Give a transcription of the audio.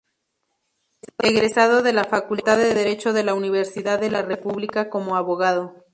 Egresado de la Facultad de Derecho de la Universidad de la República como abogado.